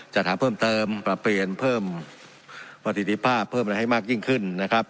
จัดหาเพิ่มเติมปรับเปลี่ยนเพิ่มประสิทธิภาพเพิ่มอะไรให้มากยิ่งขึ้นนะครับ